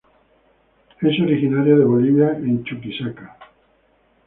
Es originaria de Bolivia en Chuquisaca.